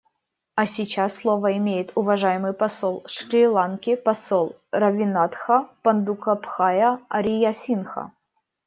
А сейчас слово имеет уважаемый посол Шри-Ланки — посол Равинатха Пандукабхая Ариясинха.